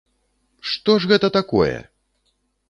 Што ж гэта такое?!